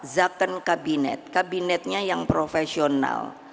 zakon kabinet kabinetnya yang profesional